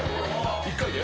１回で？